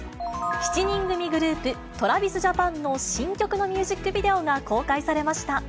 ７人組グループ、ＴｒａｖｉｓＪａｐａｎの新曲のミュージックビデオが公開されました。